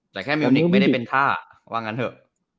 แต่แค่มิวนิกไม่ได้เป็นท่าว่างั้นเถอะ